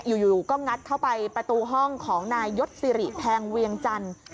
อยู่ก็งัดเข้าไปประตูห้องของนายยศสิริแพงเวียงจันทร์